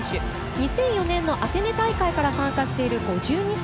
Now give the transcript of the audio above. ２００４年のアテネ大会から参加している５２歳。